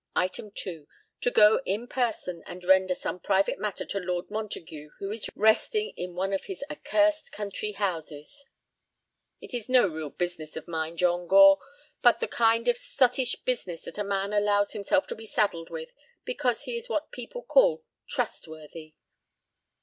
Item two, to go in person and render some private matter to Lord Montague who is resting—resting in one of his accursed country houses; it is no real business of mine, John Gore, but the kind of sottish business that a man allows himself to be saddled with because he is what people call trustworthy.